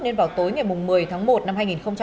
nên vào tối ngày một mươi tháng một năm hai nghìn hai mươi